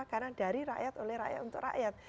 karena dari rakyat oleh rakyat untuk rakyat